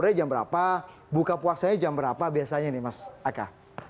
sebenarnya jam berapa buka puasanya jam berapa biasanya nih mas aka